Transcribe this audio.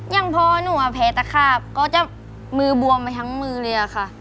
อย่างพอหนูแพ้ตะขาบก็จะมือบวมไปทั้งมือเลยค่ะ